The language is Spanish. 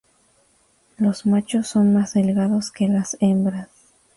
Los machos son más delgados que las hembras.